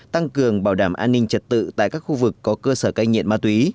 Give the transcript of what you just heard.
tăng cường bảo đảm an ninh trật tự tại các khu vực có cơ sở cai nghiện ma túy